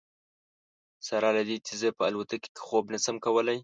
سره له دې چې زه په الوتکه کې خوب نه شم کولی.